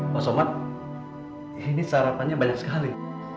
pak somad ini sarapannya banyak sekali